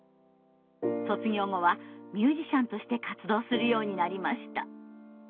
卒業後はミュージシャンとして活動するようになりました。